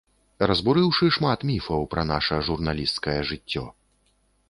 Разбурыўшы шмат міфаў пра наша журналісцкае жыццё.